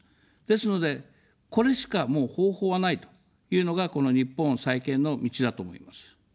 ですので、これしかもう方法はないというのが、この日本再建の道だと思います。